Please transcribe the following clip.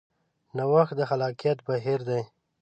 نوښت د خلاقیت بهیر دی.